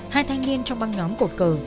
hai thanh niên trong băng nhóm cột cờ